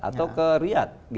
atau ke riyadh